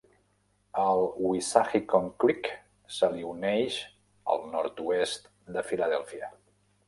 El Wissahickon Creek se li uneix al nord-oest de Filadèlfia.